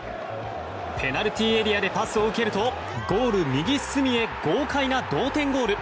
ペナルティーエリアでパスを受けるとゴール右隅へ豪快な同点ゴール。